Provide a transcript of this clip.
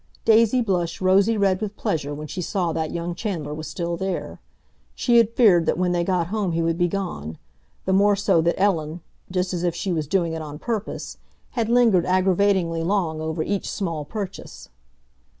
Daisy blushed rosy red with pleasure when she saw that young Chandler was still there. She had feared that when they got home he would be gone, the more so that Ellen, just as if she was doing it on purpose, had lingered aggravatingly long over each small purchase.